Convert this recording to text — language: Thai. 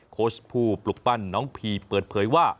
โค้ชผู้ปลุกปั้นน้องพีเปิดเผยว่า